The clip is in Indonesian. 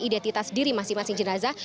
identitas diri masing masing jenazah